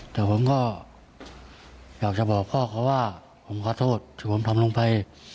แต่ผมก็อยากจะบอกพ่อเขาว่าผมขอโทษที่ผมทำลงไป